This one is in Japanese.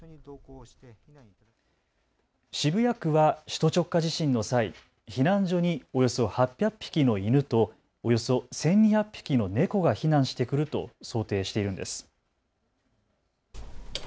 渋谷区は首都直下地震の際、避難所におよそ８００匹の犬とおよそ１２００匹の猫が避難してくると想定しているんです。